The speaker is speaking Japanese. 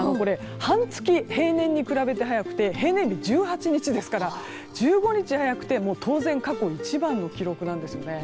半月、平年に比べて早くて平年日は１８日ですから１５日早くて当然、過去一番の記録なんですよね。